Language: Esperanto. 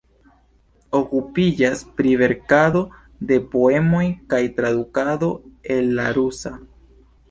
Okupiĝas pri verkado de poemoj kaj tradukado el la rusa.